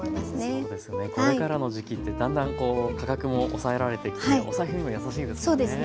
そうですねこれからの時期ってだんだん価格も抑えられてきてお財布にもやさしいですよね。